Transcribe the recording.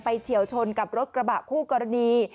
เฉียวชนกับรถกระบะคู่กรณี